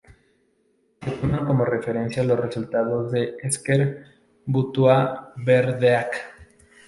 Se toman como referencia los resultados de Ezker Batua-Berdeak.